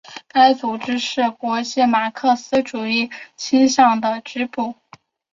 该组织是国际马克思主义倾向的支部。